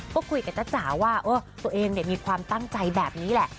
ก็คุยกับจ๊ะจ๋าว่าตัวเองมีความตั้งใจแบบนี้แหละ